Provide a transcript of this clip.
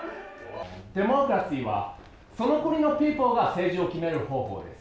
デモクラシーはその国のピープルが政治を決める方法です。